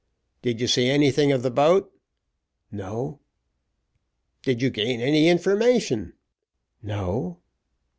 "Did you see anything of the boat?" "No." "Did you gain any information?" "No."